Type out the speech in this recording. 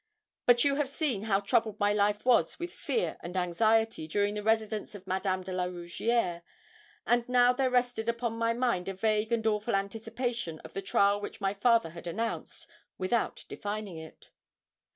But you have seen how troubled my life was with fear and anxiety during the residence of Madame de la Rougierre, and now there rested upon my mind a vague and awful anticipation of the trial which my father had announced, without defining it.